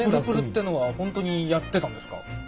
プルプルってのは本当にやってたんですか？